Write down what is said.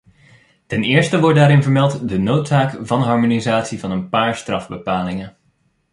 Ten eerste wordt daarin vermeld de noodzaak van harmonisatie van een paar strafbepalingen.